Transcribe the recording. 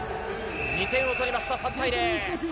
２点を取りました、３対０。